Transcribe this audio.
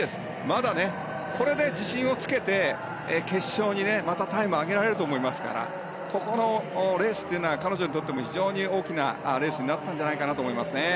まだこれで自信をつけて決勝にまたタイムを上げられると思いますからこのレースというのは彼女にとっても非常に大きなレースになったんじゃないかと思います。